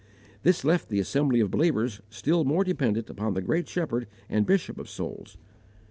This left the assembly of believers still more dependent upon the great Shepherd and Bishop of souls.